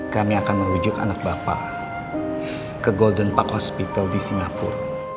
kami akan merujuk anak bapak ke golden park hospital di singapura